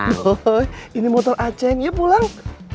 doi ini motor a ceng ya pulang